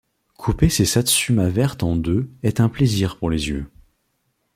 Couper ces satsumas vertes en deux est un plaisir pour les yeux.